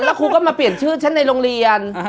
แล้วครูก็มาเปลี่ยนชื่อฉันในโรงเรียน